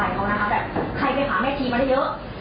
แบบใครไปขาแม่ทีมมาได้เยอะ